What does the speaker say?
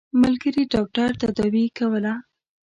ملګري ډاکټر تداوي کوله.